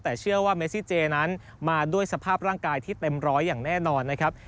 แต่เชื่อว่าเมซิเจนั้นมาด้วยสภาพร่างกายที่เต็มร้อยอย่างแน่นอนนะครับ